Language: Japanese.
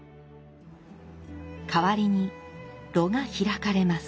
かわりに炉が開かれます。